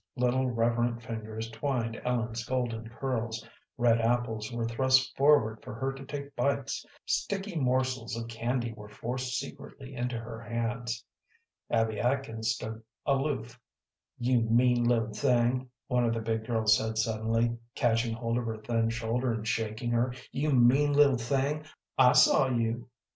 Little reverent fingers twined Ellen's golden curls, red apples were thrust forward for her to take bites, sticky morsels of candy were forced secretly into her hands. Abby Atkins stood aloof. "You mean little thing," one of the big girls said suddenly, catching hold of her thin shoulder and shaking her "you mean little thing, I saw you."